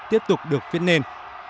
tiếp tục được viết nền